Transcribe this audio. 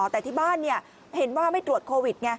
แต่ที่บ้านเห็นว่าไม่ตรวจโควิดไง